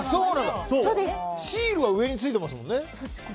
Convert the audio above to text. シールは上についてますもんね。